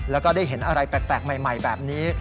แล้วก็ได้เห็นอะไรแปลกใหม่แบบนี้